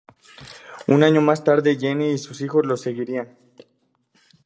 Un año más tarde Jenny y sus hijos lo seguirían.